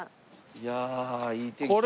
いやいい天気。